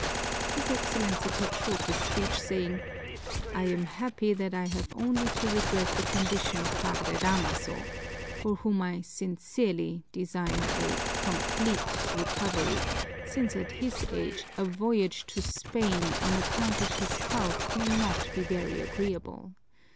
His Excellency cut short this speech, saying, "I am happy that I have only to regret the condition of Padre Damaso, for whom I sincerely desire a complete recovery, since at his age a voyage to Spain on account of his health may not be very agreeable.